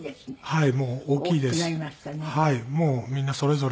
はい。